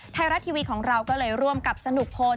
ไทยรัฐทีวีของเราก็เลยร่วมกับสนุกพล